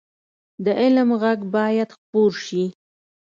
د علم غږ باید خپور شي